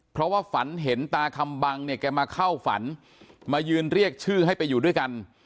เพราะว่าฝันเห็นตาคำบังเนี่ยแกมาเข้าฝันมายืนเรียกชื่อให้ไปอยู่ด้วยกัน